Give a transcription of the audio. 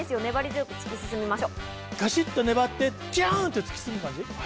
ガシっと粘ってビュン！って突き進む感じ？